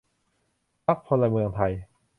พรรคพลเมืองไทย